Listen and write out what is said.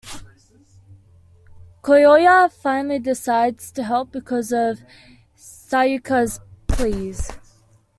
Kyoya finally decides to help because of Sayaka's pleas.